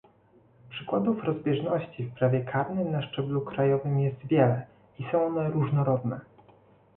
Przykładów rozbieżności w prawie karnym na szczeblu krajowym jest wiele i są one różnorodne